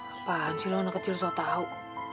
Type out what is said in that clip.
apaan sih lo anak kecil soal tau